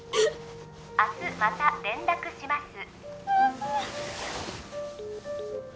明日また連絡します